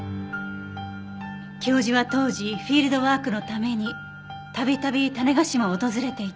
教授は当時フィールドワークのために度々種子島を訪れていた。